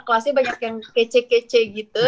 kelasnya banyak yang kece kece gitu